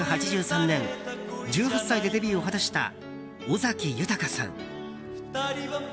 １９８３年１８歳でデビューを果たした尾崎豊さん。